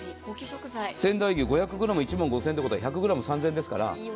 仙台牛５００ｇ１万５０００ということは１００ｇ３０００円ですから。